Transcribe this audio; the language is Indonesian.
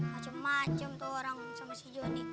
macem macem tuh orang sama si johnny